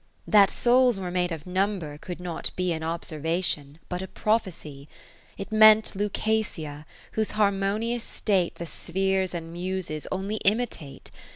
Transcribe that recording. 20 That souls were made of Number could not be An observation, but a prophecy. It meant Lucasia, whose harmonious state The Spheres and Muses only imitate.